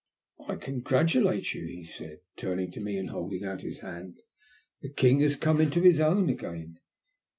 *' I congratulate you," he said, turning to me and holding out his hand. '' The king has come into his own again.